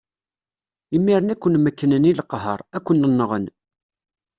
Imiren ad ken-mekknen i leqher, ad ken-nɣen.